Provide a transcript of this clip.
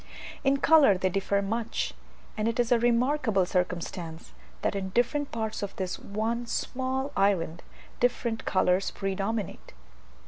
In colour they differ much; and it is a remarkable circumstance, that in different parts of this one small island, different colours predominate.